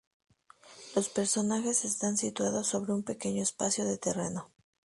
Los personajes están situados sobre un pequeño espacio de terreno.